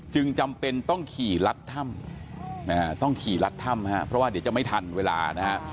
จำเป็นต้องขี่รัดถ้ำนะฮะต้องขี่รัดถ้ำฮะเพราะว่าเดี๋ยวจะไม่ทันเวลานะฮะ